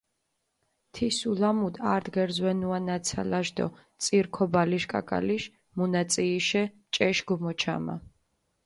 თის ულამუდჷ ართ გერზვენუა ნაცალაშ დო წირ ქობალიშ კაკალიშ მუნაწიიშე ჭეშ გიმოჩამა.